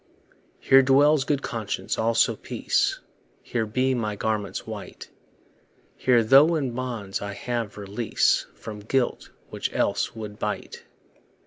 Here dwells good conscience, also peace; Here be my garments white; Here, though in bonds, I have release From guilt, which else would bite.